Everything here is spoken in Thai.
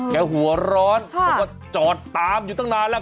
หัวร้อนเขาก็จอดตามอยู่ตั้งนานแล้ว